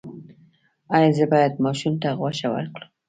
ایا زه باید ماشوم ته غوښه ورکړم؟